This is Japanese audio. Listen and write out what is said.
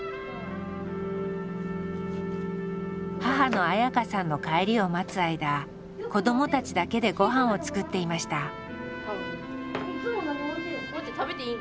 母の綾香さんの帰りを待つ間子どもたちだけでごはんを作っていました。